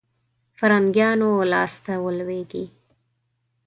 فرنګیانو لاسته ولوېږي.